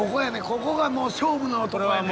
ここがもう勝負のとこやね。